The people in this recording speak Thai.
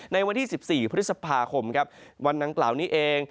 ในวันที่๑๔พฤษภาคมครับวันดังกล่าวนี้เอง